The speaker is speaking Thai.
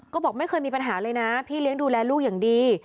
ก็บอกไม่เคยมีปัญหาเลยนะพี่เลี้ยงดูแลลูกอย่างดี